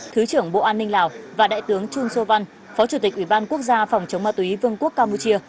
thứ trưởng bộ an ninh lào và đại tướng chun so văn phó chủ tịch ủy ban quốc gia phòng chống ma túy vương quốc campuchia